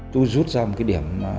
tôi rút ra một cái điểm